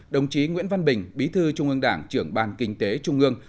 đồng chí nguyễn văn bình bí thư trung ương đảng trưởng ban kinh tế trung ương